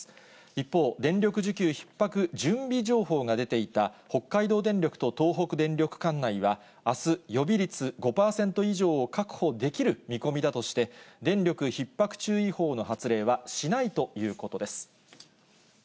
一方、電力需給ひっ迫準備情報が出ていた北海道電力と東北電力管内はあす、予備率５％以上を確保できる見込みだとして、電力ひっ迫注意報の発令はしないということです。